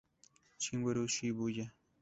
Shigeru Shibuya